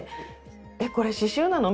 えっこれ刺しゅうなの？